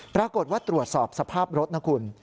ปรากฏว่าตรวจสอบสภาพรถนะคุณ